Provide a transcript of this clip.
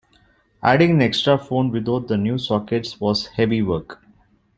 Adding an extra phone without the new sockets was heavy work.